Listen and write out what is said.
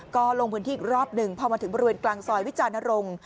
ก็ลงพื้นที่อีกรอบหนึ่งพอมาถึงบริเวณกลางซอยวิจารณรงค์